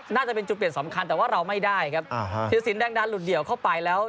น่าจะเป็นจุดเปลี่ยนสำคัญแต่ว่าเราไม่ได้ครับอ่าฮะธิรสินแดงดาหลุดเดี่ยวเข้าไปแล้ว